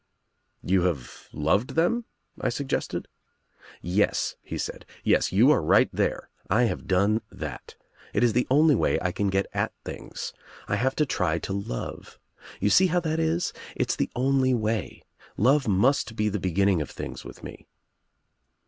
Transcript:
"You have loved them?" I suggested. "Yes," he said. "Yes — you are right there. I have done that. It is the only way I can get at things. I have to try to love. You see how that is? It's the only way. Love must be the beginning of things with me."